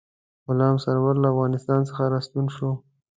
غلام سرور له افغانستان څخه را ستون شو.